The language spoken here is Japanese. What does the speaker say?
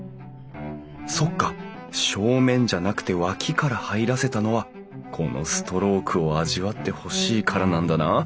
そっか正面じゃなくて脇から入らせたのはこのストロークを味わってほしいからなんだな。